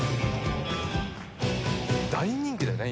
「大人気だよね